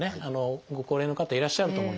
ご高齢の方いらっしゃると思うんです。